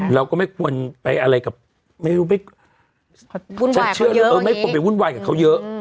เราก็ไม่ควรไปอะไรกับไม่ควรไปวุ่นวายกับเขาเยอะ